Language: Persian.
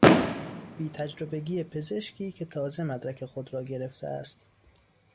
بیتجربگی پزشکی که تازه مدرک خود را گرفته است